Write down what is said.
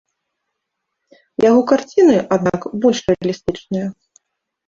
Яго карціны, аднак, больш рэалістычныя.